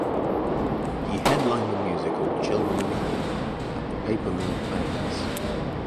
He headlined the musical "Children of Eden" at the Paper Mill Playhouse.